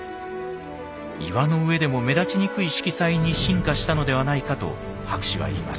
岩の上でも目立ちにくい色彩に進化したのではないかと博士は言います。